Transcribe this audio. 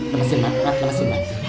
temesin mas temesin mas